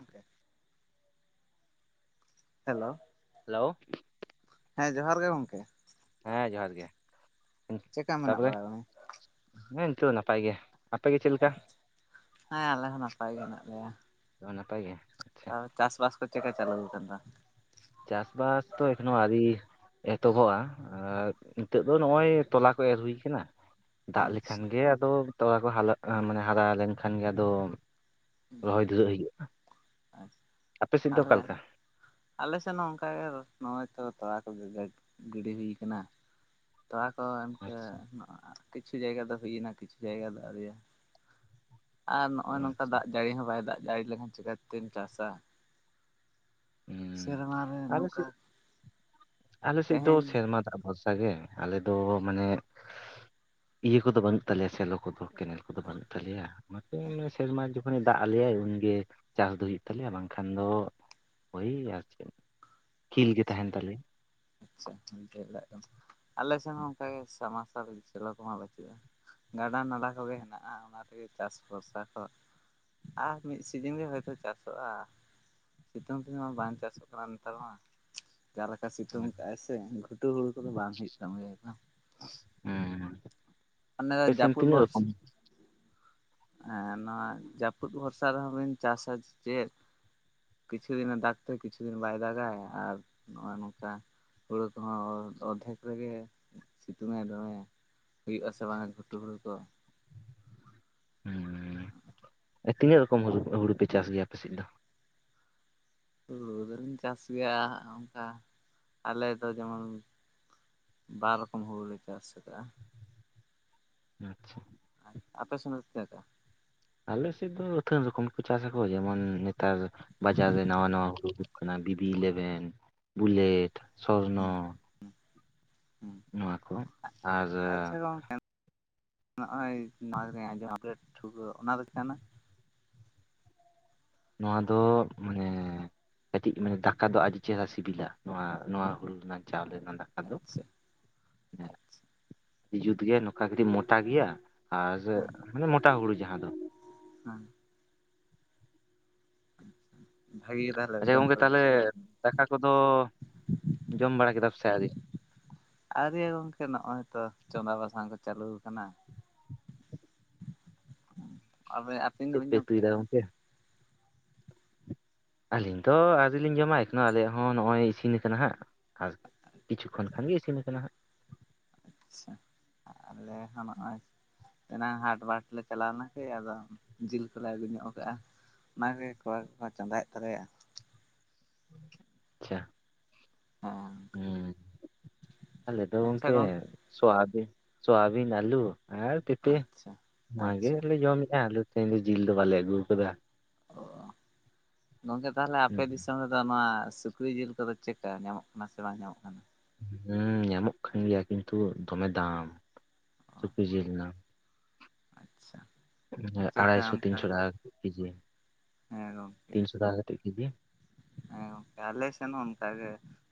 ᱟ ᱠᱮᱼᱼ [unintelligible] hello. Hello? ᱦᱮᱸ, ᱡᱚᱦᱟᱨ ᱜᱮ ᱜᱚᱝᱠᱮ᱾ ᱦᱮᱸ ᱡᱚᱦᱟᱨ ᱜᱮ, ᱪᱮᱫᱠᱟ ᱢᱮᱱᱟᱜ ᱛᱟᱯᱚᱨᱮ, ᱵᱟᱲᱟ ᱵᱤᱱᱟ? ᱦᱮᱸ ᱱᱤᱛᱩᱜ ᱱᱟᱯᱟᱭ ᱜᱮ ᱾ ᱟᱯᱮ ᱜᱮ ᱪᱮᱜ ᱞᱮᱫᱞᱮᱠᱟ? ᱦᱮᱸ ᱟᱞᱮ ᱦᱚᱸ ᱱᱟᱯᱟᱭ ᱜᱮ ᱢᱮᱱᱟᱜ ᱞᱮᱭᱟ᱾ ᱚ ᱱᱟᱯᱟᱭ ᱜᱮ᱾ ᱟᱪᱪᱷᱟ ᱟᱣ ᱪᱟᱥ-ᱵᱟᱥ ᱠᱚ ᱪᱮᱜ ᱠᱟ ᱪᱟᱞᱩᱣ ᱠᱟᱱᱟ? ᱪᱟᱥᱼᱵᱟᱥ ᱛᱚ ᱮᱠᱷᱚᱱᱚ ᱟᱨᱤᱼᱼ, ᱮᱛᱚᱦᱚᱵᱚᱜ-ᱟ, ᱟᱨ ᱱᱤᱛᱚᱜ ᱫᱚ ᱱᱚᱜ-ᱚᱭ ᱛᱚᱞᱟ ᱠᱚ ᱮᱨ ᱦᱩᱭ ᱠᱟᱱᱟ᱾ ᱫᱟᱜ ᱞᱮᱠᱷᱟᱱ ᱟᱪᱪᱷᱟ ᱜᱮ ᱟᱫᱚ, ᱛᱚᱣᱟ ᱠᱚ ᱦᱟᱞᱟ ᱟ ᱢᱟᱱᱮ ᱦᱟᱨᱟ ᱞᱮᱱᱠᱷᱟᱱ ᱜᱮ ᱟᱫᱚᱼᱼ [unintelligible] ᱦᱩᱸ ᱨᱚᱦᱚᱭ ᱫᱩᱨᱟᱹᱜ ᱦᱩᱭᱩᱜ-ᱟ᱾ [unintelligible] ᱟᱞᱮ ᱟᱞᱮ ᱥᱮᱱ ᱦᱚᱸ ᱚᱱᱠᱟ ᱜᱮ, ᱟᱫᱚ ᱱᱚᱜ-ᱚᱭ ᱛᱚ ᱛᱚᱲᱟ ᱠᱚᱜᱮ ᱜᱟᱹᱜ ᱜᱤᱰᱤ ᱦᱩᱭ ᱠᱟᱱᱟ᱾ ᱛᱚᱣᱟ ᱠᱚ ᱮᱱᱠᱟᱹ ᱟᱪᱪᱷᱟ ᱱᱚᱜ-ᱚᱭ ᱠᱤᱪᱷᱩ ᱡᱟᱭᱜᱟ ᱫᱚ ᱦᱩᱭᱮᱱᱟ, ᱠᱤᱪᱷᱩ ᱡᱟᱭᱜᱟ ᱫᱚ ᱟᱹᱣᱨᱤᱭᱟ᱾ ᱟᱨ ᱱᱚᱜ-ᱚᱭ ᱱᱚᱝᱠᱟ ᱟᱪᱪᱷᱟ ᱫᱟᱜ ᱡᱟᱲᱤ ᱦᱚᱸ ᱵᱟᱭ ᱫᱟᱜ ᱡᱟᱲᱤ ᱞᱮᱠᱷᱟᱱ ᱪᱤᱠᱟᱹ ᱛᱮᱢ ᱪᱟᱥᱟ? ᱦᱩᱸ ᱥᱮᱨᱢᱟ ᱨᱮ ᱟᱞᱮ ᱱᱚᱝᱠᱟ ᱥᱮᱫ ᱟᱞᱮ ᱥᱮᱜ ᱫᱚ ᱛᱮᱦᱮᱧ ᱥᱮᱨᱢᱟ ᱫᱟᱜ ᱵᱷᱚᱨᱥᱟ᱾ ᱦᱟᱨᱟᱣ ᱟᱞᱮᱫᱚ ᱢᱟᱱᱮ, ᱤᱭᱟᱹ ᱠᱚᱫᱚ ᱵᱟᱹᱱᱩᱜ ᱛᱟᱞᱮᱭᱟ ᱥᱮᱞᱚ ᱠᱚᱫᱚ᱾ ᱠᱮᱱᱮᱞ ᱠᱚᱫᱚ ᱟᱪᱪᱷᱟ ᱵᱟᱹᱱᱩᱜ ᱛᱟᱞᱮᱭᱟ, ᱚᱱᱟ ᱛᱮ ᱚᱱᱟ ᱥᱮᱨᱢᱟ ᱡᱟᱹᱯᱼᱼ ᱢᱟᱱᱮ ᱫᱟᱜ ᱟᱞᱮᱭᱟᱭ ᱜᱮ, ᱪᱟᱥ ᱫᱚ ᱦᱩᱭᱩᱜ ᱛᱟᱞᱮᱭᱟ ᱵᱟᱝ ᱠᱷᱟᱱ ᱫᱚᱼ ᱳᱭ ᱟᱨ, [unintelligible] ᱪᱮᱫ ᱠᱷᱤᱞ ᱜᱮ ᱟᱪᱪᱷᱟ ᱛᱟᱦᱮᱱ ᱛᱟᱞᱮᱭᱟ᱾ ᱟᱪᱪᱷᱟ ᱫᱚ [unintelligible] ᱚᱝᱠᱮ‌ ᱞᱟᱭ ᱫᱚᱢ ᱟᱞᱮ ᱥᱮᱱ ᱦᱚᱸ ᱚᱱᱠᱟ ᱜᱮ ᱥᱟᱵᱽᱢᱟᱨᱥᱟᱞ ᱥᱮᱞᱚ ᱠᱚᱢᱟ ᱵᱟᱹᱪᱩᱜ-ᱟ᱾ ᱜᱟᱰᱟ ᱱᱟᱞᱟ ᱠᱚᱜᱮ ᱦᱮᱱᱟᱜ-ᱟ, ᱚᱱᱟ ᱛᱮᱜᱮ ᱪᱟᱥ ᱵᱷᱚᱨᱥᱟ ᱠᱚᱼᱼ ᱟᱨ ᱢᱤᱫ ᱥᱤᱡᱤᱱ ᱜᱮ ᱦᱳᱭᱛᱚ ᱪᱟᱥᱚᱜ-ᱟ᱾ ᱥᱤᱛᱩᱝ ᱨᱮ ᱢᱟ ᱵᱟᱝ ᱪᱟᱥᱚᱜ ᱠᱟᱱᱟ ᱱᱮᱛᱟᱨ ᱢᱟ᱾ ᱡᱟᱦᱟᱞᱮᱠᱟ ᱞᱮᱠᱟ ᱥᱤᱛᱩᱝ ᱦᱮᱸ ᱠᱟᱜᱼᱟᱭ ᱥᱮ, ᱜᱷᱩᱴᱩ ᱦᱩᱲᱩ ᱠᱚᱫᱚ ᱵᱟᱝ ᱦᱩᱭᱩᱜ ᱛᱟᱢ ᱜᱮ ᱮᱠᱫᱚᱢ ᱾ ᱦᱩᱸ, [unintelligible] ᱯᱮᱥᱮᱱ ᱛᱤᱱᱟᱹᱜ ᱨᱚᱠᱚᱢ? ᱮᱸ ᱱᱚᱣᱟ ᱡᱟᱯᱩᱫ ᱵᱷᱚᱨᱥᱟ ᱨᱮᱦᱚᱸ ᱵᱤᱱ ᱪᱟᱥᱟ ᱪᱮ ᱥᱮ ᱪᱮᱫ? ᱠᱤᱪᱷᱩ ᱫᱤᱱᱮ ᱫᱟᱜᱽ ᱛᱮ, ᱠᱤᱪᱷᱩ ᱫᱤᱱ ᱵᱟᱭ ᱫᱟᱜᱟᱭ ᱟᱨ ᱱᱚᱜ-ᱚᱭ ᱱᱚᱝᱠᱟ᱾ ᱦᱩᱲᱳ ᱠᱚ ᱦᱚᱸ ᱚᱫᱽᱫᱷᱮᱠ ᱨᱮ ᱜᱮ ᱥᱤᱛᱩᱝᱟᱭ ᱫᱚᱦᱚᱭᱟ᱾ ᱦᱩᱭᱩᱜ-ᱟ ᱥᱮ ᱵᱟᱝᱟ ᱜᱷᱩᱴᱩ ᱨᱮᱫᱚ᱾ ᱩᱸᱻ ᱮᱸ [unintelligible] ᱛᱤᱱᱟᱹᱜ ᱨᱚᱠᱚᱢ ᱦᱩᱲᱩᱯ ᱦᱩᱲᱩ ᱯᱮ ᱪᱟᱥ ᱜᱮᱭᱟ ᱟᱯᱮ ᱥᱮᱜ ᱫᱚ? ᱦᱩᱲᱩ ᱫᱚ ᱞᱤᱧ ᱪᱟᱥ ᱜᱮᱭᱟ ᱚᱱᱠᱟ ᱟᱞᱮ ᱫᱚ ᱡᱮᱢᱚᱱ [unintelligible] ᱵᱟᱨ ᱨᱚᱠᱚᱢ ᱦᱩᱲᱩ ᱞᱮ ᱪᱟᱥ ᱮᱫᱟ᱾ ᱟᱪᱪᱷᱟ᱾ ᱟᱨ ᱟᱯᱮ ᱥᱮᱱ ᱫᱚ ᱪᱮᱜ ᱠᱟ? ᱟᱞᱮ ᱥᱮᱫ ᱫᱚ ᱟᱹᱛᱷᱟ. ᱨᱚᱠᱚᱢ ᱠᱚ ᱪᱟᱥ ᱟᱠᱚ ᱡᱮᱢᱚᱱ ᱱᱮᱛᱟᱨ ᱵᱟᱡᱟᱨ ᱨᱮ ᱱᱟᱣᱟ ᱱᱟᱣᱟ ᱦᱩᱲᱩ ᱩᱰᱩᱠ ᱠᱟᱱᱟ ᱵᱤᱵᱤ ᱤᱞᱮᱵᱷᱮᱱ ᱵᱩᱞᱮᱴ, ᱥᱚᱨᱱᱚ [unintelligible] ᱦᱩ ᱱᱚᱣᱟ ᱠᱚ ᱟᱨ ᱟᱪᱪᱷᱟ ᱜᱚᱝ-ᱠᱮ᱾ ᱱᱚᱜᱼᱚᱭ ᱱᱚᱣᱟ [unintelligible] ᱚᱱᱟ ᱫᱚ ᱪᱮᱫ ᱠᱟᱱᱟ, ᱱᱚᱣᱟ ᱫᱚ ᱢᱟᱱᱮ ᱠᱟᱹᱴᱤᱡ ᱢᱟᱱᱮ ᱫᱟᱠᱟ ᱫᱚ ᱟᱹᱰᱤ ᱪᱮᱦᱨᱟ ᱥᱤᱵᱤᱞᱟ ᱱᱚᱣᱟ ᱱᱚᱣᱟ ᱦᱩᱲᱩ ᱨᱮᱱᱟᱜ ᱪᱟᱣᱞᱮ ᱨᱮᱱᱟᱜ ᱾ ᱫᱚ, ᱟᱪᱪᱷᱟ ᱟᱪᱪᱷᱟ ᱦᱮ ᱡᱩᱛ ᱜᱮ ᱚᱠᱟ ᱠᱟᱹᱴᱤᱡ ᱢᱚᱴᱟ ᱜᱮᱭᱟ ᱟᱨ ᱦᱮᱸ ᱢᱟᱱᱮ ᱢᱚᱴᱟ ᱦᱳᱲᱳ ᱡᱟᱦᱟᱸ ᱫᱚ᱾ ᱦᱮᱸ ᱵᱷᱟᱜᱤ ᱜᱮ ᱛᱟᱦᱚᱞᱮ ᱟᱪᱪᱷᱟ ᱡᱚᱢ ᱜᱚᱝᱠᱮ ᱠᱚᱫᱚ ᱛᱟᱦᱚᱞᱮ ᱵᱩᱡᱷᱟᱹᱜᱼᱟ ᱫᱟᱠᱟ ᱠᱚᱫᱚ ᱡᱚᱢ ᱵᱟᱲᱟ ᱠᱮᱫᱟᱢ ᱥᱮ ᱟᱹᱣᱨᱤ? ᱟᱹᱣᱨᱤᱭᱟ ᱜᱚᱝᱠᱮ ᱱᱚᱜᱼᱚᱭ ᱛᱚ ᱪᱚᱸᱫᱟ ᱵᱟᱥᱟᱝ ᱠᱚ ᱪᱟᱹᱞᱩ ᱠᱟᱱᱟ᱾ [unintelligible] ᱪᱮᱫ ᱯᱮ ᱩᱛᱩᱭ ᱠᱮᱜᱼᱟ? ᱫᱟ ᱜᱚᱝᱠᱮ? ᱟᱹᱞᱤᱧ ᱫᱚ ᱟᱹᱣᱨᱤᱞᱤᱧ ᱡᱚᱢᱟ ᱮᱠᱷᱚᱱᱳ ᱟᱞᱮᱭᱟᱜ ᱦᱚᱸ ᱱᱚᱜᱼᱚᱭ ᱤᱥᱤᱱ ᱠᱟᱱᱟ ᱦᱟᱸᱜ ᱟᱨ ᱠᱤᱪᱷᱩ ᱠᱷᱚᱱ ᱠᱷᱟᱱ ᱜᱮ ᱤᱥᱤᱱ ᱠᱟᱱᱟ ᱦᱟᱸᱜ᱾ ᱟᱪᱪᱷᱟ ᱟᱞᱮ ᱦᱚᱸ ᱱᱚᱜᱼᱚᱭ ᱮᱱᱟᱝ ᱦᱟᱴᱵᱟᱴ ᱞᱮ ᱪᱟᱞᱟᱣ ᱞᱮᱱᱟ ᱥᱮ ᱟᱫᱚ ᱡᱤᱞ ᱠᱚᱞᱮ ᱟᱹᱜᱩ ᱧᱚᱜ ᱠᱟᱜᱼᱟ᱾ ᱚᱱᱟᱜᱮ ᱠᱚᱲᱟ ᱠᱚᱠᱚ ᱪᱚᱸᱫᱟᱭᱮᱜ ᱛᱟᱞᱮᱭᱟ᱾ ᱪᱷᱟ᱾ ᱦᱮᱸ ᱦᱩᱸ ᱟᱞᱮ ᱫᱚ ᱜᱚᱝᱠᱮ ᱥᱳᱣᱟᱵᱤᱱ ᱥᱚᱣᱟᱵᱤᱱ ᱟᱞᱩ ᱟᱨ ᱯᱮᱯᱮ ᱟᱪᱪᱷᱟ ᱱᱚᱣᱟ ᱟᱪᱪᱷᱟ ᱜᱮᱞᱮ ᱡᱚᱢᱮᱫᱼᱟ ᱟᱞᱩ ᱛᱮᱦᱮᱧ ᱫᱚ ᱡᱤᱞ ᱫᱚ ᱵᱟᱞᱮ ᱟᱹᱜᱩ ᱠᱟᱫᱟ᱾ ᱚ ᱜᱚᱝᱠᱮ ᱛᱟᱦᱚᱞᱮ ᱦᱩᱸ ᱟᱯᱮ ᱫᱤᱥᱚᱢ ᱨᱮᱫᱚ ᱱᱚᱣᱟ ᱥᱩᱠ ᱥᱩᱠᱨᱤ ᱡᱮᱞ ᱠᱚᱫᱚ ᱪᱮᱠᱟ ᱧᱟᱢᱚᱜ ᱠᱟᱱᱟ ᱥᱮ ᱵᱟᱝ ᱧᱟᱢᱚᱜ ᱠᱟᱱᱟ? ᱦᱮᱸ ᱧᱟᱢᱚᱜ ᱠᱟᱱ ᱜᱮᱭᱟ, ᱠᱤᱱᱛᱩ ᱫᱚᱢᱮ ᱫᱟᱢ ᱚ ᱥᱩᱠᱨᱤ ᱡᱮᱞ ᱱᱟᱜ᱾ ᱟᱪᱪᱷᱟ᱾ ᱪᱮᱫᱠᱟ ᱟᱲᱟᱭᱥᱚ ᱚᱱᱠᱟ ᱛᱤᱱᱥᱚ ᱴᱟᱠᱟ ᱠᱟᱛᱮᱜ ᱠᱤᱡᱤ ᱦᱮᱸ ᱜᱚᱝᱠᱮ ᱛᱤᱱᱥᱚ ᱴᱟᱠᱟ ᱠᱟᱛᱮᱜ ᱠᱤᱡᱤ᱾ ᱦᱮᱸ ᱜᱚᱝᱠᱮ ᱟᱞᱮ ᱥᱮᱱ ᱦᱚᱸ ᱚᱝᱠᱟᱜᱮ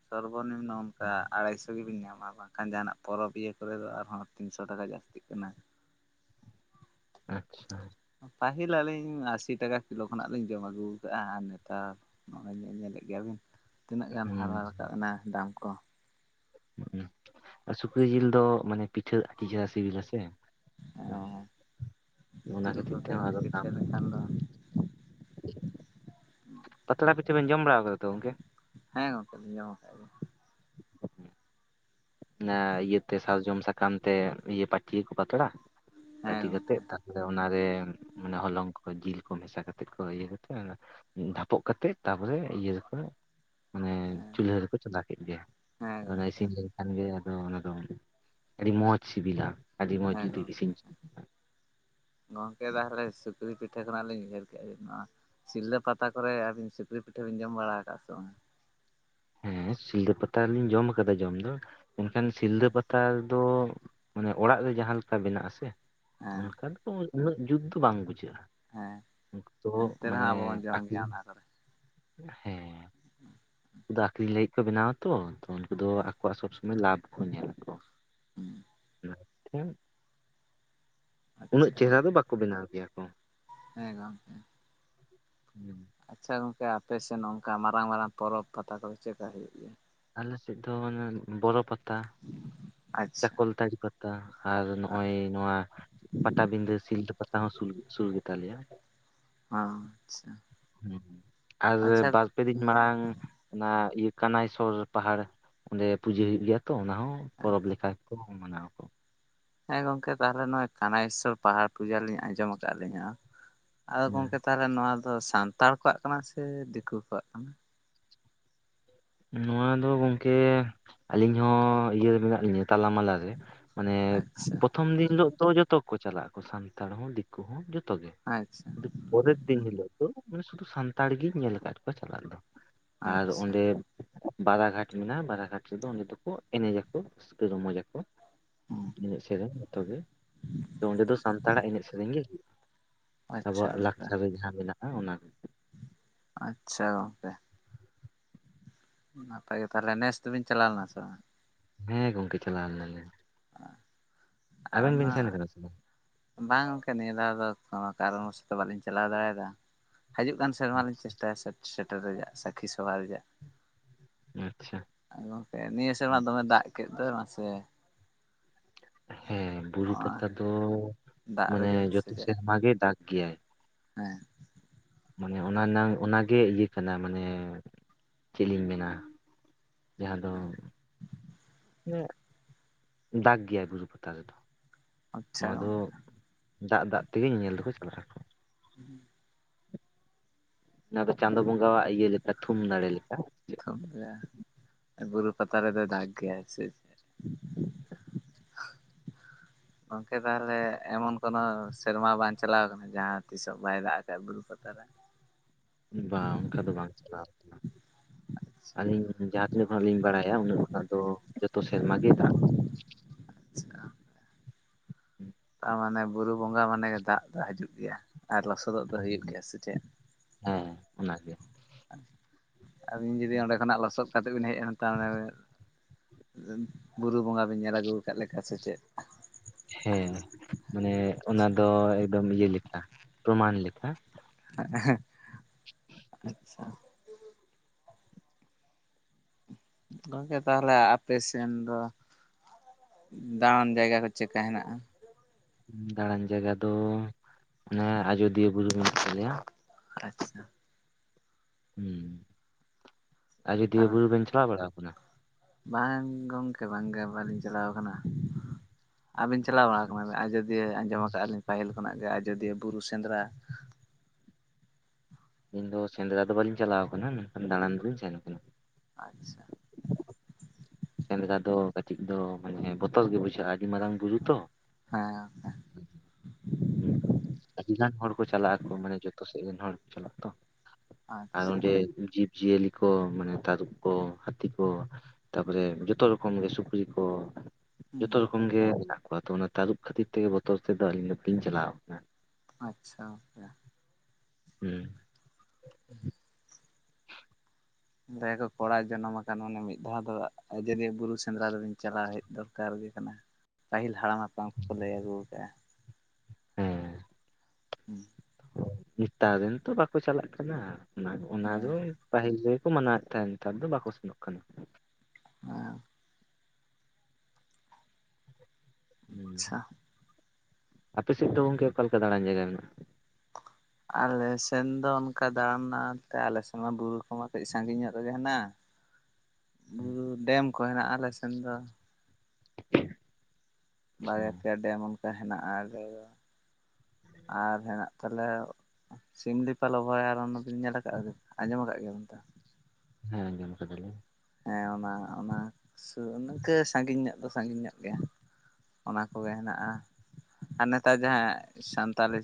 ᱥᱚᱨᱵᱚᱱᱤᱢᱱᱚ ᱚᱝᱠᱟ ᱟᱲᱟᱭᱥᱚ ᱜᱮᱵᱤᱱ ᱧᱟᱢᱟ ᱵᱟᱝ ᱠᱷᱟᱱ ᱡᱟᱦᱟᱱᱟᱜ ᱯᱚᱨᱚᱵᱽ ᱤᱭᱟᱹ ᱠᱚᱨᱮ ᱫᱚ ᱟᱨᱦᱚᱸ ᱛᱤᱱᱥᱚ ᱴᱟᱠᱟ ᱡᱟᱹᱥᱛᱤᱜ ᱠᱟᱱᱟ᱾ ᱟᱪᱪᱷᱟ᱾ ᱯᱟᱹᱦᱤᱞ ᱟᱹᱞᱤᱧ ᱟᱥᱤ ᱴᱟᱠᱟ ᱠᱤᱞᱳ ᱠᱷᱚᱱᱟᱜ ᱞᱤᱧ ᱡᱚᱢ ᱟᱹᱜᱩ ᱠᱟᱜᱼᱟ ᱟᱨ ᱱᱮᱛᱟᱨ ᱱᱚᱜᱼᱚᱭ ᱧᱮ ᱧᱮᱞᱮᱫ ᱜᱮᱭᱟᱵᱤᱱ ᱛᱤᱱᱟᱹᱜ ᱜᱟᱱ ᱦᱩᱸ ᱦᱟᱨᱟ ᱨᱟᱠᱟᱵ ᱱᱟ ᱫᱟᱢ ᱠᱚ᱾ ᱦᱩᱜ ᱩᱸ ᱟᱨ ᱥᱩᱠᱨᱤ ᱡᱤᱞ ᱫᱚ ᱢᱟᱱᱮ ᱯᱤᱴᱷᱟᱹ ᱟᱹᱰᱤ ᱪᱮᱦᱨᱟ ᱥᱤᱵᱤᱞᱟ ᱥᱮ᱾ ᱦᱮᱸ ᱚᱱᱟ ᱠᱷᱟᱹᱛᱤᱨ ᱛᱮᱦᱚᱸ ᱟᱫᱚ ᱫᱟᱢ ᱠᱷᱟᱱ ᱫᱚ [unintelligible] ᱯᱟᱛᱲᱟ ᱯᱤᱴᱷᱟᱹ ᱵᱮᱱ ᱡᱚᱢ ᱵᱟᱲᱟ ᱠᱟᱫᱟ ᱛᱚ ᱜᱚᱝᱠᱮ? ᱦᱮᱸ ᱜᱚᱝᱠᱮ ᱞᱤᱧ ᱡᱚᱢ ᱠᱟᱜ ᱜᱮᱭᱟ᱾ ᱚᱱᱟ ᱤᱭᱟᱹᱛᱮ ᱥᱟᱨᱡᱚᱢ ᱥᱟᱠᱟᱢ ᱛᱮ ᱯᱟᱹᱴᱤᱭᱟ ᱠᱚ ᱯᱟᱛᱲᱟ ᱦᱮᱸ ᱯᱟᱹᱴᱤ ᱠᱟᱛᱮᱜ ᱜᱚᱝᱠᱮ ᱛᱟ ᱯᱚᱨᱮ ᱚᱱᱟᱨᱮ ᱦᱚᱞᱚᱝ ᱠᱚ ᱡᱤᱞ ᱠᱚ ᱢᱮᱥᱟ ᱠᱟᱛᱮ ᱠᱚ ᱤᱭᱟᱹ ᱠᱟᱛᱮᱫ ᱚᱱᱟ ᱰᱷᱟᱯᱚᱜ ᱠᱟᱛᱮᱫ ᱛᱟᱯᱚᱨᱮ ᱤᱭᱟᱹ ᱨᱮ ᱠᱚ ᱢᱟᱱᱮ ᱦᱮᱸ ᱪᱩᱞᱦᱟᱹ ᱨᱮᱠᱚ ᱪᱚᱸᱫᱟ ᱠᱮᱫ ᱜᱮ ᱦᱮᱸ ᱚᱱᱟ ᱜᱚᱝᱠᱮ ᱤᱥᱤᱱ ᱞᱟ. ᱠᱷᱟᱱᱜᱮ ᱟᱫᱚ ᱚᱱᱟ ᱫᱚ ᱟᱹᱰᱤ ᱢᱚᱸᱡᱽ ᱥᱤᱵᱤᱞᱟ ᱟᱹᱰᱤ ᱢᱚᱸᱡᱽ ᱦᱮᱸ ᱡᱩᱫᱤ ᱤᱥᱤᱱ ᱜᱚᱝᱠᱮ ᱪᱤ ᱜᱚᱝᱠᱮ ᱛᱟᱦᱟᱞᱮ ᱥᱩᱠᱨᱤ ᱯᱤᱴᱷᱟᱹ ᱠᱷᱚᱱᱟᱜ ᱞᱤ ᱩᱭᱦᱟᱹᱨ ᱠᱮᱜᱼᱟ ᱡᱮ ᱱᱚᱣᱟ ᱥᱤᱞᱫᱟᱹ ᱯᱟᱛᱟ ᱠᱚᱨᱮ ᱟᱹᱵᱤᱱ ᱥᱤᱠᱨᱤ ᱯᱤᱴᱷᱟᱹ ᱵᱤᱱ ᱡᱚᱢ ᱵᱟᱲᱟ ᱠᱟᱜᱼᱟ ᱥᱮ ᱵᱟᱝ? ᱦᱮᱸ ᱥᱤᱞᱫᱟᱹ ᱯᱟᱛᱟᱨᱮᱞᱤᱧ ᱡᱚᱢ ᱠᱟᱫᱟ ᱡᱚᱢ ᱫᱚ ᱢᱮᱱᱠᱷᱟᱱ ᱥᱤᱞᱫᱟᱹ ᱯᱟᱛᱟ ᱫᱚ ᱢᱟᱱᱮ ᱚᱲᱟᱜ ᱨᱮ ᱡᱟᱦᱟᱸ ᱞᱮᱠᱟ ᱵᱮᱱᱟᱜ ᱟᱥᱮ ᱦᱮᱸ ᱚᱱᱠᱟ ᱩᱱᱟᱹᱜ ᱡᱩᱛ ᱫᱚ ᱵᱟᱝ ᱵᱩᱡᱷᱟᱹᱜᱼᱟ ᱦᱮᱸ ᱩᱱᱠᱩ ᱛᱚ ᱮᱱᱛᱮ ᱨᱮᱦᱚᱸ ᱢᱟᱱᱮ ᱟᱵᱚ ᱵᱚᱱ ᱡᱚᱢ ᱜᱮᱭᱟ ᱟᱹᱠᱷᱨᱤᱧ ᱚᱱᱟ ᱠᱚᱨᱮ ᱦᱮᱸ ᱩᱱᱠᱩ ᱫᱚ ᱟᱠᱷᱨᱤᱧ ᱞᱟᱹᱜᱤᱫ ᱠᱚ ᱵᱮᱱᱟᱣᱟ ᱛᱚ ᱛᱚ ᱩᱱᱠᱩ ᱫᱚ ᱦᱮᱸ ᱟᱠᱚᱣᱟᱜ ᱥᱚᱵ ᱥᱚᱢᱚᱭ ᱞᱟᱵᱷᱽ ᱠᱚ ᱧᱮᱞᱟᱠᱚ᱾ ᱦᱮᱸ ᱩᱱᱟᱹᱜ ᱟᱪᱪᱷᱟ ᱪᱮᱦᱨᱟ ᱫᱚ ᱵᱟᱠᱚ ᱵᱮᱱᱟᱣ ᱜᱮᱭᱟ ᱠᱚ᱾ ᱦᱮᱸ ᱜᱚᱝᱠᱮ᱾ ᱦᱩᱸ᱾ ᱟᱪᱪᱷᱟ ᱜᱚᱝᱠᱮ ᱟᱯᱮ ᱥᱮᱫ ᱚᱱᱠᱟ ᱢᱟᱨᱟᱝ ᱢᱟᱨᱟᱝ ᱯᱚᱨᱚᱵᱽ ᱯᱟᱛᱟ ᱠᱚᱫᱚ ᱪᱮᱫᱠᱟ ᱦᱩᱭᱩᱜ ᱜᱮᱭᱟ? ᱟᱞᱮ ᱥᱮᱫ ᱫᱚ ᱢᱟᱱᱮ ᱵᱚᱨᱚ ᱯᱟᱛᱟ᱾ ᱟᱪᱪᱷᱟ ᱪᱟᱠᱚᱞ ᱛᱟᱲᱤ ᱯᱟᱛᱟ ᱟᱨ ᱱᱚᱜᱼᱚᱭᱼ ᱱᱚᱣᱟ ᱯᱟᱴᱟᱵᱤᱸᱫᱷᱟᱹ ᱥᱤᱞᱫᱟᱹ ᱯᱟᱛᱟ ᱦᱚᱸ ᱥᱩᱨ ᱥᱩᱨ ᱜᱮ ᱛᱟᱞᱮᱭᱟ᱾ ᱚᱸᱻ ᱟᱪᱪᱷᱟ᱾ ᱟᱨᱻ ᱟᱪᱪᱷᱟ ᱵᱟᱨᱫᱼᱼ ᱯᱮ ᱫᱤᱱ ᱢᱟᱲᱟᱝ ᱚᱱᱟ ᱤᱭᱟᱹ ᱠᱟᱱᱟᱭ ᱥᱚ-ᱨ ᱯᱟᱦᱟᱲ ᱚᱸᱰᱮ ᱯᱩᱡᱟᱹ ᱦᱩᱭᱩᱜ ᱜᱮᱭᱟ᱾ ᱛᱚ ᱚᱱᱟ ᱦᱚᱸ ᱯᱚᱨᱚᱵᱽ ᱞᱮᱠᱟ ᱜᱮ ᱠᱚ ᱢᱟᱱᱟᱣᱟᱠᱚ᱾ ᱦᱮᱸ ᱜᱚᱝᱠᱮ ᱛᱟᱦᱚᱞᱮ ᱱᱚᱜᱼᱚᱭ ᱠᱟᱱᱟᱮᱥᱥᱚᱨ ᱯᱟᱦᱟᱲ ᱯᱩᱡᱟ ᱞᱤᱧ ᱟᱸᱡᱚᱢ ᱟᱠᱟᱫ ᱟᱞᱤᱧᱟ ᱦᱚᱸ᱾ ᱟᱫᱚ ᱦᱩᱸ ᱜᱚᱢᱠᱮ ᱛᱟᱦᱚᱞᱮ ᱱᱚᱣᱟ ᱫᱚ ᱥᱟᱱᱛᱟᱲ ᱠᱚᱣᱟᱜ ᱠᱟᱱᱟ ᱥᱮ ᱫᱤᱠᱩ ᱠᱚᱣᱟᱜ ᱠᱟᱱᱟ? ᱱᱚᱣᱟ ᱫᱚ ᱜᱚᱝᱠᱮ ᱟᱹᱞᱤᱧ ᱦᱚᱸ ᱤᱭᱟᱹ ᱨᱮ ᱢᱮᱱᱟᱜ ᱞᱤᱧᱟᱹ ᱛᱟᱞᱟ ᱢᱟᱞᱟ ᱨᱮ᱾ ᱢᱟᱱᱮ ᱟᱪᱪᱷᱟ ᱯᱨᱚᱛᱷᱚᱢ ᱫᱤᱱ ᱦᱤᱞᱳᱜ ᱫᱚ ᱡᱷᱚᱛᱚ ᱠᱚ ᱪᱟᱞᱟᱜ ᱟᱠᱚ ᱥᱟᱱᱛᱟᱲ ᱦᱚᱸ ᱫᱤᱼᱼ ᱠᱩ ᱦᱚᱸ ᱡᱷᱚᱛᱚ ᱜᱮ᱾ ᱟᱪᱪᱷᱟ ᱯᱚᱨᱮᱨ ᱫᱤᱱ ᱦᱤᱞᱳᱜ ᱫᱚ ᱢᱟᱱᱮ ᱥᱩᱫᱷᱩ ᱥᱟᱱᱛᱟᱲ ᱜᱤᱧ ᱧᱮᱞ ᱟᱠᱟᱫ ᱠᱚᱣᱟ ᱪᱟᱞᱟᱜ ᱫᱚ᱾ ᱟᱨ ᱟᱪᱪᱷᱟ ᱚᱸᱰᱮ ᱵᱟᱨᱟ ᱜᱷᱟᱴ ᱢᱮᱱᱟᱜ-ᱟ ᱵᱟᱨ ᱜᱷᱟᱴ ᱨᱮᱫᱚ ᱚᱸᱰᱮ ᱫᱚᱠᱚ ᱮᱱᱮᱡᱟᱠᱚ ᱨᱟᱹᱥᱠᱟᱹ ᱨᱚᱢᱚᱡᱟ ᱠᱚ᱾ ᱦᱩᱸ ᱮᱱᱮᱡ ᱥᱮᱨᱮᱧ ᱡᱚᱛᱚ ᱜᱮ, ᱚᱸᱰᱮ ᱫᱚ ᱥᱟᱱᱛᱟᱲᱟᱜ ᱮᱱᱮᱡ ᱥᱮᱨᱮᱧ ᱜᱮᱦᱩᱭᱩᱜ-ᱟ᱾ ᱟᱪᱪᱷᱟ ᱟᱵᱚᱣᱟᱜ ᱜᱚᱝᱠᱮ ᱞᱟᱠᱪᱟᱨ ᱨᱮ ᱡᱟᱦᱟᱸ ᱢᱮᱱᱟᱜᱼᱟ ᱚᱱᱟ ᱠᱚ᱾ ᱟᱪᱪᱷᱟ ᱜᱚᱝᱠᱮ᱾ ᱱᱟᱯᱟᱭ ᱜᱮ ᱛᱟᱦᱚᱞᱮ ᱱᱮᱥ ᱫᱚᱵᱤᱱ ᱪᱟᱞᱟᱣ ᱞᱮᱱᱟ ᱥᱮ ᱵᱟᱝ? ᱦᱮᱸ ᱜᱚᱝᱠᱮ ᱪᱟᱞᱟᱣ ᱞᱮᱱᱟ ᱞᱤᱧ᱾ ᱟᱨ ᱚᱱᱟᱼᱼ ᱠᱟᱱᱟ ᱥᱮ ᱵᱟᱝ ᱵᱟᱝ ᱜᱚᱝᱠᱮ ᱱᱤᱭᱟᱹ ᱫᱷᱟᱣ ᱫᱚ ᱠᱚᱱᱚ ᱠᱟᱨᱚᱱ ᱵᱚᱥᱚᱛᱚ ᱵᱟᱹᱞᱤᱧ ᱪᱟᱞᱟᱣ ᱫᱟᱲᱮᱭᱟᱫᱟ, ᱦᱤᱡᱩᱜ ᱠᱟᱱ ᱥᱮᱼᱼ ᱥᱮᱨᱢᱟ ᱞᱤᱧ ᱪᱮᱥᱴᱟᱭᱟ ᱥᱮᱴ ᱥᱮᱴᱮᱨ ᱨᱮᱭᱟᱜ ᱥᱟᱹᱠᱷᱤ ᱥᱚᱵᱷᱟ ᱨᱮᱭᱟᱜ᱾ ᱟᱪᱪᱷᱟ᱾ ᱟᱨ ᱜᱚᱢᱠᱮ ᱱᱤᱭᱟᱹ ᱥᱮᱨᱢᱟ ᱫᱚᱢᱮ ᱫᱟᱜ ᱠᱮᱫ ᱫᱚᱭ ᱢᱟᱥᱮᱻ ᱦᱮᱸ ᱵᱩᱨᱩ ᱱᱚᱜᱼᱚᱭ ᱯᱟᱛᱟ ᱫᱚ ᱫᱟᱜ ᱢᱟᱱᱮ ᱨᱮᱜᱮ ᱥᱮ ᱡᱷᱚᱛᱚ ᱪᱮᱫ ᱥᱮᱨᱢᱟ ᱜᱮᱭ ᱫᱟᱜᱽ ᱜᱮᱭᱟᱭ᱾ ᱦᱮᱸ᱾ ᱢᱟᱱᱮ ᱚᱱᱟ ᱨᱮᱱᱟᱝ ᱚᱱᱟ ᱜᱮ ᱤᱭᱟᱹ ᱠᱟᱱᱟ ᱢᱟᱱᱮᱻ ᱪᱮᱫ ᱞᱤᱧ ᱢᱮᱱᱟ᱾ ᱡᱟᱦᱟᱸ ᱫᱚ ᱱᱮ ᱫᱟᱜᱽ ᱜᱮᱭᱟᱭ ᱵᱩᱨᱩ ᱯᱟᱛᱟ ᱨᱮᱫᱚ᱾ ᱟᱪᱪᱷᱟ ᱱᱚᱣᱟ ᱫᱚ ᱫᱟᱜ ᱫᱟᱜ ᱛᱮᱜᱮ ᱧᱮᱧᱮᱞ ᱫᱚᱠᱚ ᱪᱟᱞᱟᱜᱼᱟ᱾ ᱦᱩᱸ᱾ ᱱᱚᱣᱟ ᱫᱚ ᱪᱟᱸᱫᱳ ᱵᱚᱸᱜᱟᱣᱟᱜ ᱤᱭᱟᱹ ᱞᱮᱠᱟ ᱛᱷᱩᱢ ᱫᱟᱲᱮᱹ ᱞᱮᱠᱟ᱾ ᱛᱚᱵᱵᱮ ᱵᱩᱨᱩ ᱯᱟᱛᱟ ᱨᱮᱫᱚᱭ ᱫᱟᱜᱽ ᱜᱮᱭᱟᱭ ᱥᱮ ᱪᱮᱫ? ᱜᱚᱢᱠᱮ ᱛᱟᱦᱚᱞᱮ ᱮᱢᱚᱱ ᱠᱳᱱᱳ ᱥᱮᱨᱢᱟ ᱵᱟᱝ ᱪᱟᱞᱟᱣ ᱟᱠᱟᱱᱟ ᱡᱟᱦᱟᱸ ᱛᱤᱥ ᱦᱚᱸ ᱵᱟᱭ ᱫᱟᱜ ᱟᱠᱟᱫ ᱵᱩᱨᱩ ᱯᱟᱛᱟ ᱨᱮ? ᱵᱟᱝ ᱚᱱᱠᱟ ᱫᱚ ᱵᱟᱝ ᱪᱟᱞᱟᱣ ᱟᱠᱟᱱᱟ, ᱟᱪᱪᱷᱟ ᱟᱹᱞᱤᱧᱼᱼ ᱡᱟᱦᱟᱸ ᱛᱤᱱᱟᱹᱜ ᱠᱷᱚᱱᱟᱜ ᱞᱤᱧ ᱵᱟᱲᱟᱭᱟ ᱩᱱᱟᱹᱜ ᱠᱷᱚᱱᱟᱜ ᱫᱚ ᱡᱚᱛᱚ ᱥᱮᱨᱢᱟ ᱜᱮ ᱫᱟᱜ᱾ ᱪᱷᱟᱻ ᱦᱩᱸ᱾ ᱛᱟ ᱢᱟᱱᱮ ᱵᱩᱨᱩ ᱵᱚᱸᱜᱟ ᱢᱟᱱᱮ ᱜᱮ ᱫᱟᱜ ᱫᱚ ᱦᱤᱡᱩᱜ ᱜᱮᱭᱟ ᱟᱨ ᱞᱚᱥᱚᱫ᱾ ᱜᱚᱫᱚᱜ ᱫᱚ ᱦᱩᱭᱩᱜ ᱜᱮᱭᱟ ᱥᱮ ᱪᱮᱫ? ᱦᱮᱸ ᱚᱱᱟᱜᱮ ᱟᱹᱵᱤᱱ ᱡᱩᱫᱤ ᱚᱸᱰᱮ ᱠᱷᱚᱱᱟᱜ ᱞᱚᱥᱚᱫ ᱠᱟᱛᱮ ᱵᱤᱱ ᱦᱮᱡ ᱛᱟᱦᱚᱞᱮᱼᱼ ᱵᱩᱨᱩ ᱵᱚᱸᱜᱟ ᱵᱤᱱ ᱧᱮᱞ ᱟᱹᱜᱩ ᱟᱠᱟᱫ ᱞᱮᱠᱟ ᱥᱮ ᱪᱮᱫ? ᱦᱮᱸ ᱢᱟᱱᱮ ᱚᱱᱟ ᱫᱚ ᱮᱠᱫᱚᱢ ᱤᱭᱟᱹ ᱞᱮᱠᱟ ᱯᱨᱚᱢᱟᱱ ᱞᱮᱠᱟ᱾ ᱟᱪᱷᱟ ᱾ ᱜᱚᱝᱠᱮ ᱛᱟᱦᱚᱞᱮ ᱟᱯᱮ ᱥᱮᱱ ᱫᱚ ᱫᱟᱬᱟᱱ ᱡᱟᱭᱜᱟ ᱠᱚ ᱪᱮᱠᱟ ᱦᱮᱱᱟᱜᱼᱟ? ᱫᱟᱬᱟᱱ ᱡᱟᱭᱜᱟ ᱫᱚ ᱚᱱᱮ ᱟᱡᱚᱫᱤᱭᱟᱹ ᱵᱩᱨᱩ ᱢᱮᱱᱟᱜ ᱛᱟᱞᱮᱭᱟ᱾ ᱟᱪᱷᱟ᱾ ᱦᱸ ᱟᱡᱚᱫᱤᱭᱟᱹ ᱛᱟᱦᱚᱞᱮ ᱵᱩᱨᱩ ᱵᱮᱱ ᱪᱟᱞᱟᱣ ᱵᱟᱲᱟ ᱟᱠᱟᱱᱟ? ᱵᱟᱝ ᱜᱚᱢᱠᱮ ᱵᱟᱝᱜᱮ ᱵᱟᱞᱤᱧ ᱪᱟᱞᱟᱣ ᱠᱟᱱᱟ ᱾ ᱟᱹᱵᱤᱱ ᱪᱟᱞᱟᱣ ᱵᱟᱲᱟ ᱟᱠᱟᱱᱟ ᱟᱡᱚᱫᱤᱭᱟᱹ ᱟᱸᱡᱚᱢ ᱟᱠᱟᱫᱼᱟ ᱞᱤᱧ ᱯᱟᱹᱦᱤᱞ ᱠᱷᱚᱱᱟᱜ ᱜᱮ ᱟᱡᱚᱫᱤᱭᱟᱹ ᱵᱩᱨᱩ ᱥᱮᱸᱫᱽᱨᱟ ᱾ ᱤᱧ ᱫᱚ ᱥᱮᱸᱫᱽᱨᱟ ᱫᱚ ᱵᱟᱟᱹᱞᱤᱧ ᱪᱟᱞᱟᱣ ᱟᱠᱟᱱᱟ ᱢᱮᱱᱠᱷᱟᱱ ᱫᱟᱬᱟᱱ ᱫᱚᱞᱤᱧ ᱥᱮᱱ ᱟᱠᱟᱱᱟ ᱾ ᱟᱪᱷᱟ ᱾ ᱥᱮᱱᱫᱨᱟ ᱫᱚ ᱠᱟᱹᱴᱤᱡ ᱫᱚ ᱢᱟᱱᱮ ᱵᱚᱛᱚᱨ ᱜᱮ ᱵᱩᱡᱷᱟᱹᱜᱼᱟ ᱟᱹᱰᱤ ᱢᱟᱨᱟᱝ ᱵᱩᱨᱩ ᱛᱚ ᱦᱮᱸ ᱾ ᱦᱮᱸ ᱾ ᱦᱸ ᱟᱹᱰᱤ ᱜᱟᱱ ᱦᱚᱲ ᱠᱚ ᱪᱟᱞᱟᱜ ᱟᱠᱚ ᱢᱟᱱᱮ ᱡᱚᱛᱚ ᱥᱮᱫ ᱨᱮᱱ ᱦᱚᱲ ᱠᱚ ᱪᱟᱞᱟᱜᱼᱟᱛᱚ ᱾ ᱟᱨ ᱟᱪᱪᱷᱟ ᱚᱸᱰᱮ ᱡᱤᱵᱽᱼᱡᱤᱭᱟᱹᱞᱤ ᱠᱚ ᱢᱟᱱᱮ ᱛᱟᱹᱨᱩᱵ ᱠᱚ ᱦᱟᱹᱛᱤ ᱠᱚ ᱾ ᱠᱚᱨᱮ ᱡᱚᱛᱚ ᱨᱚᱠᱚᱢ ᱜᱮ ᱥᱩᱠᱨᱤ ᱠᱚ ᱦᱩᱸ ᱡᱚᱛᱚ ᱨᱚᱠᱚᱢ ᱜᱮ ᱢᱮᱱᱟᱜ ᱠᱚᱣᱟ ᱛᱚ ᱚᱱᱟ ᱛᱟᱹᱨᱩᱵ ᱠᱷᱟᱹᱛᱤᱨ ᱛᱮᱜᱮ ᱵᱚᱛᱚᱨ ᱛᱮᱫᱚ ᱟᱹᱞᱤᱧ ᱫᱚ ᱵᱟᱞᱤᱧ ᱪᱟᱞᱟᱣ ᱟᱠᱟᱱᱟ ᱾ ᱟᱪᱷᱟ ᱜᱮ ᱾ ᱦᱩᱸ ᱾ [inaudible] ᱞᱟᱹᱭ ᱟᱠᱚ ᱠᱚᱲᱟᱭ ᱡᱚᱱᱚᱢ ᱟᱠᱟᱱ ᱢᱟᱱᱮ ᱢᱤᱫ ᱫᱷᱟᱣ ᱫᱚ ᱟᱡᱚᱫᱤᱭᱟᱹ ᱵᱩᱨᱩ ᱥᱮᱸᱫᱽᱨᱟ ᱫᱚᱵᱤᱱ ᱪᱟᱞᱟᱣ ᱦᱮᱡ ᱫᱚᱨ ᱼᱼ ᱠᱟᱨ ᱜᱮ ᱠᱟᱱᱟ ᱯᱟᱹᱦᱤᱞ ᱦᱟᱲᱟᱢ ᱦᱟᱟᱯᱲᱟᱢ ᱠᱚᱠᱚ ᱞᱟᱹᱭ ᱟᱹᱜᱩ ᱟᱠᱟᱜᱼᱟ ᱾ ᱦᱮᱸ ᱦᱩᱸ ᱾ ᱱᱮᱛᱟᱨ ᱨᱮᱱ ᱛᱚ ᱵᱟᱠᱚ ᱪᱟᱞᱟᱜ ᱠᱟᱱᱟ ᱚᱱᱟ ᱦᱩᱸ᱾ ᱫᱚ ᱾ ᱯᱟᱹᱦᱤᱞ ᱨᱮᱜᱮ ᱠᱚ ᱢᱟᱱᱟᱣᱮᱫ ᱛᱟᱦᱮᱸᱫ ᱱᱮᱛᱟᱨ ᱫᱚ ᱵᱟᱠᱚ ᱥᱮᱱᱚᱜ ᱠᱟᱱᱟ ᱾ ᱦᱮ ᱾ ᱦᱩᱸ ᱾ ᱟᱪᱪᱷᱟ ᱟᱯᱮ ᱥᱮᱫ ᱫᱚ ᱜᱚᱝᱠᱮ ᱚᱠᱟᱮ ᱞᱮᱠ ᱫᱟᱬᱟᱱ ᱡᱟᱭᱜᱟ ᱢᱮᱱᱟᱜᱼᱟ? ᱟᱞᱮ ᱥᱮᱱ ᱫᱚ ᱚᱱᱠᱟ ᱫᱟᱬᱟᱱᱟᱱᱛᱮ ᱟᱞᱮ ᱥᱮᱱ ᱢᱟ ᱵᱩᱨᱩ ᱠᱚᱢᱟ ᱠᱟᱹᱡ ᱥᱟᱺᱜᱤᱧ ᱧᱚᱜ ᱨᱮᱜᱮ ᱦᱮᱱᱟᱜᱼᱟ᱾ [unintelligible] ᱵᱩᱨᱩ ᱰᱮᱢ ᱠᱚ ᱦᱮᱱᱟᱜᱼᱟ ᱟᱞᱮ ᱥᱮᱱ ᱫᱚ ᱾ ᱟᱪᱪᱷᱟ ᱵᱟᱨᱭᱟ ᱯᱮᱭᱟ ᱰᱮᱢ ᱚᱱᱠᱟ ᱦᱮᱱᱟᱜᱼᱟ ᱟᱞᱮ ᱫᱚ ᱟᱨ ᱦᱮᱱᱟᱜ ᱛᱟᱞᱮᱭᱟ ᱥᱤᱢᱞᱤᱯᱟᱞ ᱚᱵᱷᱚ ᱟᱨᱚᱱᱚ ᱵᱤᱱ ᱚᱱᱟᱵᱤᱱ ᱧᱮᱞ ᱟᱠᱟᱫᱼᱟ ᱟᱸᱡᱚᱢ ᱟᱠᱟᱫ ᱜᱮᱭᱟ ᱵᱮᱱ ᱛᱚ? ᱦᱮᱸ ᱟᱹᱧᱡᱚᱢ ᱠᱟᱫᱟ ᱞᱤᱧ ᱾ ᱦᱮᱸ ᱚᱱᱟ ᱚᱱᱟ ᱥᱩᱨ ᱤᱝᱠᱟᱹ ᱥᱟᱺᱜᱤᱧ ᱧᱚᱜ ᱫᱚ ᱥᱟᱺᱜᱤᱧ ᱧᱚᱜ ᱜᱮᱭᱟ ᱚᱱᱟ ᱠᱚᱜᱮ ᱦᱮᱱᱟᱜᱼᱟ ᱟᱨ ᱱᱮᱛᱟᱨ ᱡᱟᱦᱟᱸ ᱥᱟᱱᱛᱟᱞᱤ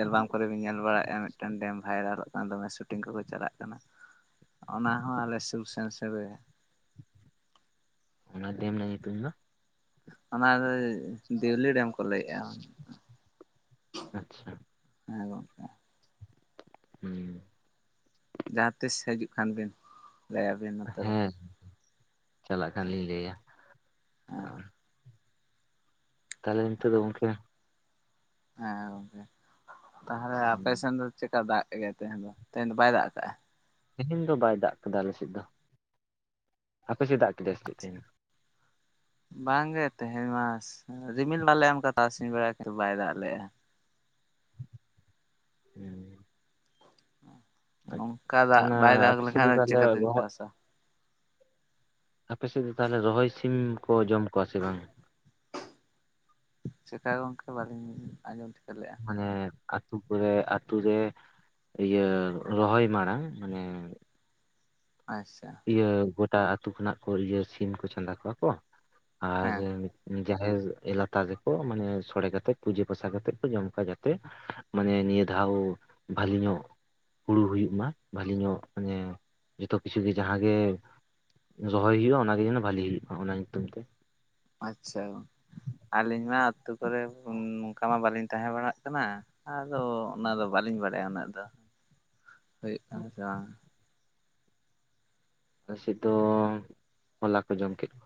ᱮᱞᱵᱟᱢ ᱠᱚᱨᱮ ᱧᱮᱞ ᱵᱟᱲᱟᱭᱮᱫᱼᱟ ᱢᱤᱫᱴᱟᱝ ᱰᱮᱢ ᱵᱷᱟᱭᱨᱟᱞᱚᱜ ᱠᱟᱱ ᱫᱚᱢᱮ ᱥᱩᱴᱤᱝ ᱠᱚᱠᱚ ᱪᱟᱞᱟᱜ ᱠᱟᱱᱟ ᱾ ᱚᱱᱟ ᱦᱚᱸ ᱟᱞᱮ ᱥᱩᱨ ᱥᱮᱱ ᱥᱮᱱ ᱨᱮᱜᱮ ᱾ ᱚᱱᱟ ᱰᱮᱢ ᱨᱮᱱᱟᱜ ᱧᱩᱛᱩᱢ ᱫᱚ? ᱚᱱᱟ ᱫᱚ ᱫᱮᱣᱞᱤ ᱰᱮᱢ ᱠᱚ ᱾ ᱠᱚ ᱞᱟᱹᱭᱮᱜᱼᱟ ᱟᱪᱪᱷᱟ ᱦᱮᱸ ᱜᱚᱝᱠᱮ ᱾ ᱦᱩᱸ ᱾ ᱡᱟᱦᱟᱸᱛᱤᱥ ᱦᱤᱡᱩᱜ ᱠᱷᱟᱱ ᱵᱤᱱ ᱞᱟᱹᱭᱟᱵᱤᱱ ᱱᱚᱛᱮ ᱫᱚ ᱾ ᱦᱮᱸ ᱪᱟᱞᱟᱜ ᱠᱷᱟᱱ ᱞᱤᱧ ᱞᱟᱹᱭᱟ ᱾ ᱦᱮᱸ ᱛᱟᱦᱚᱞᱮ ᱱᱤᱛᱚᱜ ᱫᱚ ᱜᱚᱝᱠᱮ ᱦᱮᱸ ᱜᱚᱝᱠᱮ ᱛᱟᱦᱚᱞᱮ ᱟᱯᱮ ᱥᱮᱱ ᱫᱚ ᱪᱮᱫᱠᱟ ᱫᱟᱜ ᱠᱮᱫ ᱜᱮᱟᱭ ᱛᱮᱦᱮᱧ ᱫᱚ ᱛᱮᱦᱮᱧ ᱫᱚ ᱵᱟᱭ ᱫᱟᱜ ᱟᱠᱟᱟᱜᱼᱟ? ᱛᱮᱦᱮᱧ ᱫᱚ ᱵᱟᱭ ᱫᱟᱜ ᱠᱟᱫᱟ ᱟᱞᱮᱥᱮᱫ ᱫᱚ ᱦᱟᱯᱮᱥᱮᱜ ᱫᱟᱜ ᱠᱮᱫᱮᱭᱟ ᱥᱮ ᱪᱮᱫ ᱛᱮᱦᱮᱧ ᱫᱚ? ᱵᱟᱝᱜᱮ ᱛᱮᱦᱮᱧ ᱢᱟ ᱨᱤᱢᱤᱞ ᱵᱟᱞᱮ ᱮᱢᱠᱟ ᱛᱟᱨᱟᱥᱤᱧ ᱵᱮᱲᱟ ᱠᱟᱛ ᱵᱟᱭ ᱫᱟᱜ ᱞᱮᱜᱼᱟ ᱾ ᱦᱮᱸ᱾ ᱱᱚᱝᱠᱟ ᱫᱟᱜ ᱚᱱᱟ ᱵᱟᱭ ᱫᱟᱜ ᱟᱯᱮ ᱥᱮᱫ ᱞᱮᱠᱷᱟᱱ ᱫᱚ ᱛᱟᱦᱚᱞᱮ ᱪᱤᱠᱟᱹᱛᱤᱧ ᱨᱚᱦᱚᱭ ᱪᱟᱥᱟ ᱾ ᱟᱯ ᱥᱮᱫ ᱫᱚ ᱛᱟᱦᱚᱞᱮ ᱨᱚᱦᱚᱭ ᱥᱤᱢ ᱠᱚ ᱡᱚᱢ ᱠᱚᱣᱟ ᱥᱮ ᱵᱟᱝ? ᱪᱮᱠᱟ ᱜᱚᱝᱠᱮ ᱵᱟᱹᱞᱤᱧ ᱟᱸᱡᱚᱢ ᱴᱷᱤᱠᱟᱹ ᱞᱮᱫᱼᱟ? ᱢᱟᱱᱮ ᱟᱛᱳ ᱠᱚᱨᱮ ᱟᱛᱳ ᱨᱮ ᱤᱭᱟᱹ ᱨᱚᱦᱚᱭ ᱢᱟᱲᱟᱝ ᱢᱟᱱᱮ ᱾ ᱟᱪᱷᱟ ᱾ ᱤᱭᱟᱹ ᱜᱚᱴᱟ ᱟᱹᱛᱩ ᱠᱷᱚᱱᱟᱜ ᱠᱚ ᱤᱭᱟᱹ ᱥᱤᱢ ᱠᱚ ᱪᱟᱸᱫᱟ ᱠᱚᱣᱟ ᱠᱚ ᱟᱨ ᱦᱮᱸ ᱾ ᱡᱟᱦᱮᱨ ᱮᱞᱟᱛᱟᱨ ᱨᱮᱠᱚ ᱢᱟᱱᱮ ᱥᱚᱲᱮ ᱠᱟᱛᱮᱜ ᱯᱩᱡᱟᱹ ᱯᱟᱥᱟ ᱠᱟᱛᱮᱜ ᱠᱚ ᱡᱚᱢ ᱠᱚᱣᱟ ᱡᱟᱛᱮ ᱾ ᱢᱟᱱᱮ ᱱᱤᱭᱟᱹ ᱫᱷᱟᱣ ᱵᱷᱟᱞᱤ ᱧᱚᱜ ᱾ ᱦᱩᱲᱩ ᱦᱩᱭᱩᱜ ᱢᱟ ᱵᱷᱟᱞᱤ ᱧᱚᱜ ᱢᱟᱱᱮ ᱡᱷᱚᱛᱚ ᱠᱤᱪᱷᱩ ᱾ ᱡᱩᱫᱤ ᱡᱟᱦᱟᱸ ᱜᱮ ᱨᱚᱦᱚᱭ ᱦᱩᱭᱩᱜᱼᱟ ᱚᱱᱟᱜᱮ ᱡᱮᱱᱚ ᱵᱷᱟᱞᱤ ᱦᱩᱭᱩᱜᱼᱟ ᱚᱱᱟ ᱧᱩᱛᱩᱢ ᱛᱮ ᱾ ᱟᱪᱷᱟ ᱟᱹᱞᱤᱧ ᱢᱟ ᱟᱛᱳ ᱠᱚᱨᱮ ᱱᱚᱝᱠᱟ ᱢᱟ ᱵᱟᱹᱞᱤᱧ ᱛᱟᱦᱮᱸ ᱵᱟᱲᱟᱜ ᱠᱟᱱᱟ ᱾ ᱟᱫᱚ ᱚᱱᱟᱫᱚ ᱵᱟᱹᱞᱤᱧ ᱵᱟᱲᱟᱭᱟ ᱩᱱᱟᱹᱜ ᱫᱚ ᱦᱩᱭᱩᱜ ᱠᱟᱱᱟ ᱥᱮ ᱵᱟᱝ ᱾ ᱟᱞᱮ ᱥᱮᱫ ᱫᱚ ᱦᱚᱞᱟ ᱠᱚ ᱡᱚᱢ ᱠᱮᱫ ᱠᱚᱣᱟ ᱾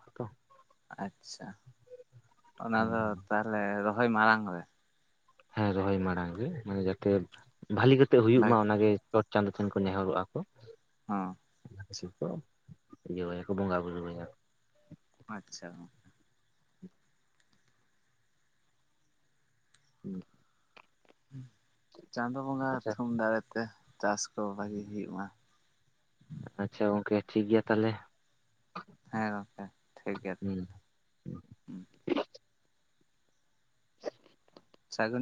ᱟᱪᱷᱟ ᱚᱱᱟ ᱫᱚ ᱛᱟᱦᱚᱞᱮ ᱨᱚᱦᱚᱭ ᱢᱟᱲᱟᱝ ᱨᱮ ᱾ ᱦᱮ ᱨᱚᱦᱚᱭ ᱢᱟᱲᱟᱝ ᱜᱮ ᱢᱟᱱᱮ ᱡᱟᱛᱮ ᱵᱷᱟᱞᱤ ᱠᱟᱛᱮᱜ ᱦᱩᱭᱩᱜ ᱢᱟ ᱵᱷᱟᱜᱮ ᱚᱱᱟᱜᱮ ᱾ ᱪᱚᱴ ᱪᱟᱸᱫᱳ ᱴᱷᱮᱱ ᱠᱚ ᱱᱮᱦᱚᱨᱚᱜᱼᱠᱚ ᱾ ᱚᱸ ᱾ ᱚ ᱤᱭᱟᱹᱟᱭᱟᱠᱚ ᱵᱚᱸᱜᱟ ᱵᱩᱨᱩ ᱟᱭᱟ ᱾ ᱟᱪᱪᱷᱟ ᱦᱚ ᱾ ᱦᱮᱸ [inaudible] ᱪᱟᱸᱫᱳ ᱵᱚᱸᱜᱟ ᱟᱪᱪᱷᱟ ᱛᱷᱩᱢ ᱫᱟᱲᱮᱛᱮ ᱪᱟᱥ ᱠᱚ ᱵᱷᱟᱜᱤ ᱜᱮ ᱦᱩᱭᱩᱜ ᱢᱟ ᱾ ᱟᱪᱷᱟ ᱜᱚᱢᱠᱮ ᱴᱷᱤᱠ ᱜᱮᱭᱟ ᱛᱟᱞᱦᱮ᱾ ᱦᱮᱸ ᱜᱚᱢᱠᱮ ᱴᱷᱤᱠ ᱜᱮᱭᱟ ᱾ ᱥᱟᱜᱩᱱ ᱾